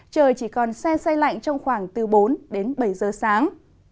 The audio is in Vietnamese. trời chỉ còn se say lạnh trong khoảng từ bốn bảy giờ sáng